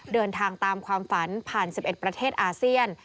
เดินทางตามความฝันผ่าน๑๑ประเทศอาเซียน